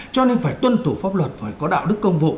cho nên phải tuân thủ pháp luật phải có đạo đức công vụ